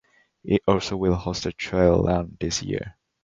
It also will host a trail run this year.